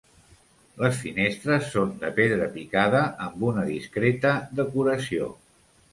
Les finestres són de pedra picada amb una discreta decoració.